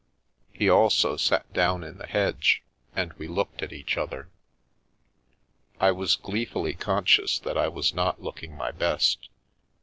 He also sat down in the hedge, and we looked at each other. I was gleefully conscious that I was not looking my best.